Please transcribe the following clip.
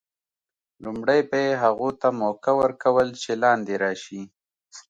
لومړی به یې هغو ته موقع ور کول چې لاندې راشي.